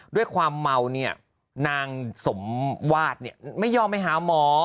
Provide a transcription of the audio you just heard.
ด้วยความเมาเนี่ยนางสมวาดไม่ยอมไปหาหมอ